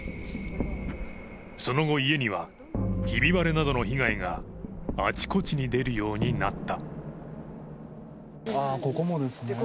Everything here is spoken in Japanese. その後家には、ひび割れなどの被害があちこちに出るようになった。